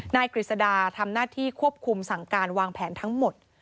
กฤษดาทำหน้าที่ควบคุมสั่งการวางแผนทั้งหมด